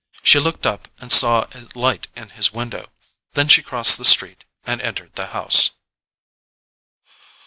She looked up and saw a light in his window; then she crossed the street and entered the house.